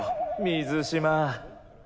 水嶋。